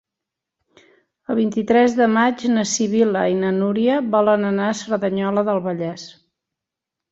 El vint-i-tres de maig na Sibil·la i na Núria volen anar a Cerdanyola del Vallès.